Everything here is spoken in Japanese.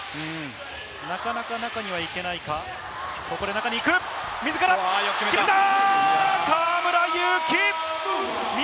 なかなか中には行けないか、ここで中に行く、自ら決めた！